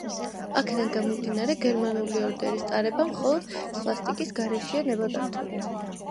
აქედან გამომდინარე „გერმანული ორდენის“ ტარება მხოლოს სვასტიკის გარეშეა ნებადართული.